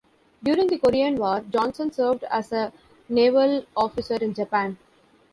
During the Korean War, Johnson served as a naval officer in Japan.